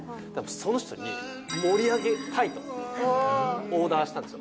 その人に盛り上げたいとオーダーしたんですよ。